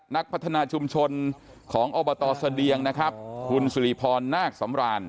นักพัฒนาชุมชนของอบตเสดียงนะครับคุณสุริพรนาคสำราน